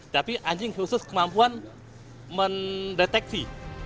tapi anjing khusus kemampuan mendeteksi